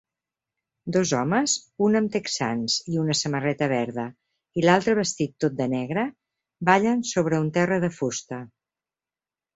Dos homes, un amb texans i una samarreta verda i l'altre vestit tot de negre, ballen sobre un terra de fusta